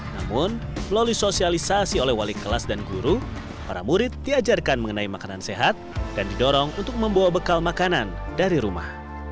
namun melalui sosialisasi oleh wali kelas dan guru para murid diajarkan mengenai makanan sehat dan didorong untuk membawa bekal makanan dari rumah